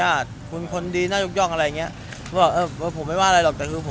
แบบนี้มีคนหลังของหลักเป็นข่าวแต่นี่